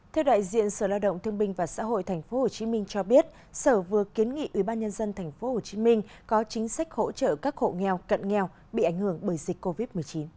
theo đại diện sở lao động thương binh và xã hội tp hcm cho biết sở vừa kiến nghị ủy ban nhân dân tp hcm có chính sách hỗ trợ các hộ nghèo cận nghèo bị ảnh hưởng bởi dịch covid một mươi chín